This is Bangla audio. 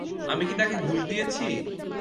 আমি কি তাকে ঘুষ দিয়েছি?